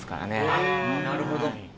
あっなるほど。